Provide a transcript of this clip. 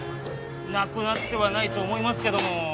なくなってはないと思いますけども。